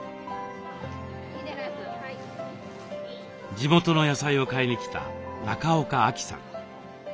地元の野菜を買いに来た中岡亜希さん。